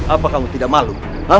apa kamu tidak malu